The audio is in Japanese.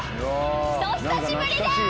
お久しぶりです！